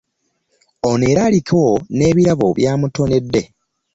Ono era aliko n'ebirabo by'amutonedde.